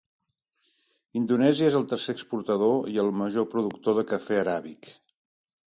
Indonèsia és el tercer exportador i el major productor de cafè aràbic.